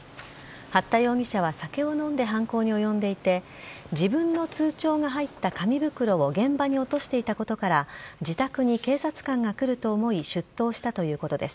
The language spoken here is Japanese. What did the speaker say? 八田容疑者は酒を飲んで犯行に及んでいて、自分の通帳が入った紙袋を現場に落としていたことから、自宅に警察官が来ると思い、出頭したということです。